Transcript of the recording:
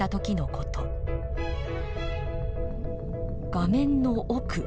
画面の奥。